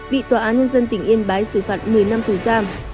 bị tòa án nhân dân tỉnh yên bái xử phạt một mươi năm tù giam